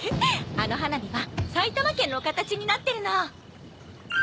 あの花火は埼玉県の形になってるの。